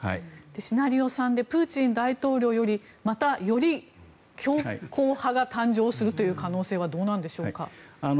シナリオ３でプーチン大統領よりまた、より強硬派が誕生するという可能性はどうなんでしょうか。